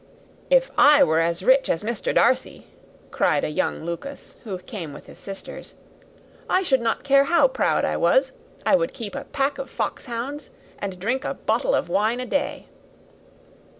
"If I were as rich as Mr. Darcy," cried a young Lucas, who came with his sisters, "I should not care how proud I was. I would keep a pack of foxhounds, and drink a bottle of wine every day."